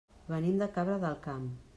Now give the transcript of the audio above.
Venim de Cabra del Camp.